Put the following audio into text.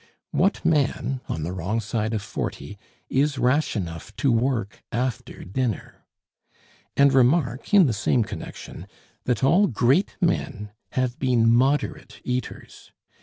What man, on the wrong side of forty, is rash enough to work after dinner? And remark in the same connection, that all great men have been moderate eaters.